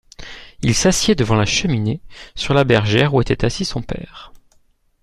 II s'assied devant la cheminée sur la bergère où était assis son père.